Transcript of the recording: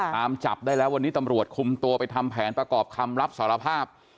ตามจับได้แล้ววันนี้ตำรวจคุมตัวไปทำแผนประกอบคำรับสารภาพ